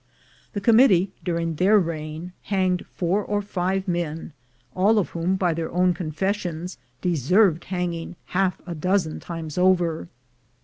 The Committee, during their reign, hanged four or five men, all of whom, by their own confessions, deserved hanging half a dozen times over.